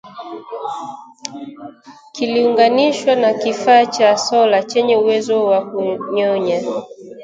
kiliunganishwa na kifaa cha sola chenye uwezo wa kunyonya